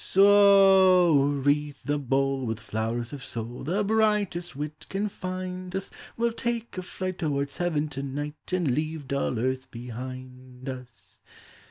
So wreathe the bowl With flowers of soul. The brightest wit can find us; We '11 take a flight Towards heaven to night, And leave dull earth behind us!